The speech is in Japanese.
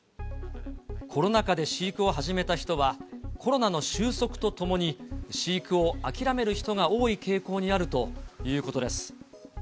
コロナ禍で飼育を始めた人は、コロナの収束とともに、飼育を諦める人が多い傾向にあるということです。